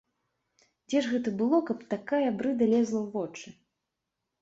Дзе ж гэта было, каб такая брыда лезла ў вочы?!